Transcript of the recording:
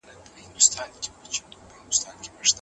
معلومات په ویب پاڼه کې شته.